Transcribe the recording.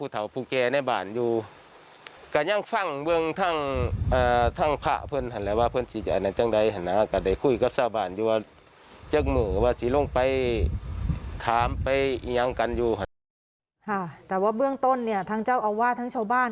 แต่ว่าเบื้องต้นท่านเจ้าอาวุธท่านเช้าบ้าน